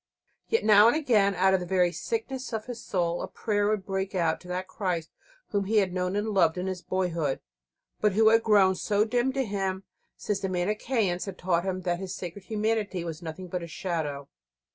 Yet now and again, out of the very sickness of his soul, a prayer would break out to that Christ Whom he had known and loved in his boyhood, but Who had grown so dim to him since the Manicheans had taught him that His Sacred Humanity was nothing but a shadow.